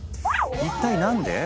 一体何で？